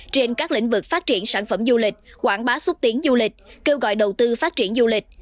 trên các lĩnh vực phát triển sản phẩm du lịch quảng bá xúc tiến du lịch kêu gọi đầu tư phát triển du lịch